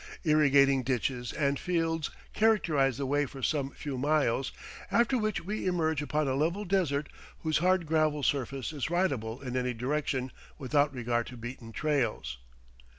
Irrigating ditches and fields characterize the way for some few miles, after which we emerge upon a level desert whose hard gravel surface is ridable in any direction without regard to beaten trails.